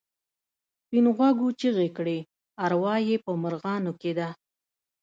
سپین غوږو چیغې کړې اروا یې په مرغانو کې ده.